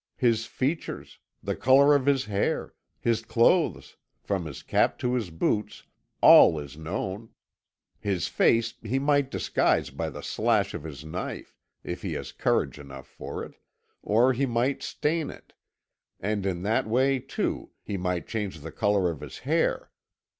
His features, the colour of his hair, his clothes, from his cap to his boots all is known. His face he might disguise by a slash of his knife, if he has courage enough for it, or he might stain it and in that way, too, he might change the colour of his hair.